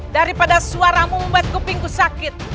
daripada suaramu membuatku pingguh sakit